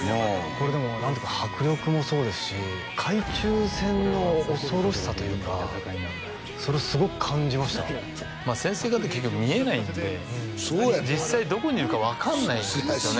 これでも迫力もそうですし海中戦の恐ろしさというかそれをすごく感じましたまあ潜水艦って結局見えないんで実際どこにいるか分かんないんですよね